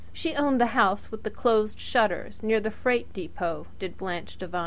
She owned the House With the Closed Shutters, near the freight depot did Blanche Devine.